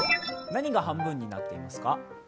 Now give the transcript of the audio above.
何が半分になっていますか？